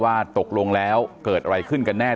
ว่าตกลงแล้วเกิดอะไรขึ้นกันแน่